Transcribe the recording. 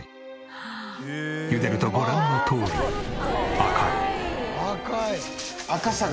茹でるとご覧のとおり赤い。